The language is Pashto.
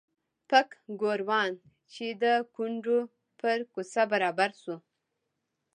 پک ګوروان چې د کونډو پر کوڅه برابر شو.